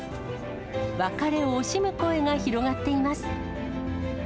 別れを惜しむ声が広がっています。